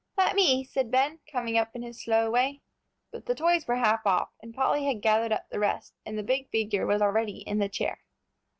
"Let me!" said Ben, coming up in his slow way. But the toys were half off, and Polly had gathered up the rest, and the big figure was already in the chair.